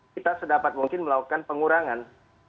kita sedapat mungkin melakukan pengurangan